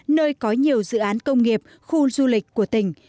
nơi có nhiều dự án công nghiệp khu du lịch của tỉnh